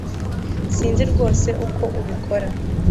Sinzi rwose uko ubikora